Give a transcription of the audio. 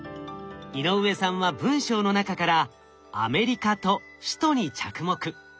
井上さんは文章の中から「アメリカ」と「首都」に着目。